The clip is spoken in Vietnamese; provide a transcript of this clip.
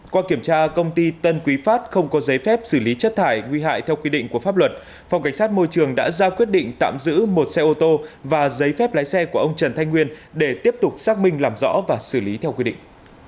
qua kiểm tra công ty tân quý phát không có giấy phép xử lý chất thải nguy hại theo quy định của pháp luật phòng cảnh sát môi trường đã ra quyết định tạm giữ một xe ô tô và giấy phép lái xe của ông trần thanh nguyên để tiếp tục xác minh làm rõ và xử lý theo quy định